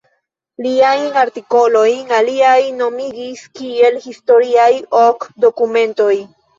Liajn artikolojn aliaj nomigis kiel Historiaj Ok Dokumentoj.